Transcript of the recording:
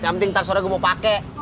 yang penting ntar sore gue mau pake